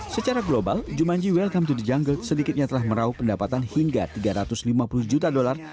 secara global jumanji welcome to the jungle sedikitnya telah merauh pendapatan hingga tiga ratus lima puluh juta dolar